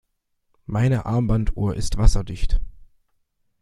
Meine Armbanduhr ist wasserdicht.